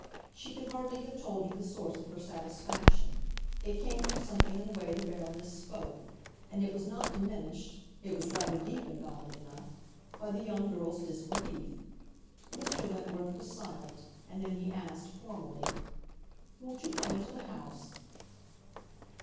She could hardly have told you the source of her satisfaction; it came from something in the way the Baroness spoke, and it was not diminished—it was rather deepened, oddly enough—by the young girl's disbelief. Mr. Wentworth was silent; and then he asked, formally, "Won't you come into the house?"